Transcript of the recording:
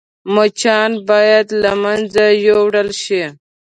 مچان باید له منځه يوړل شي